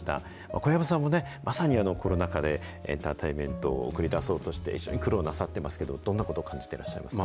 小籔さんもね、まさにコロナ禍でエンターテインメントを送り出そうとして、非常に苦労なさってますけど、どんなことを感じてらっしゃいますか。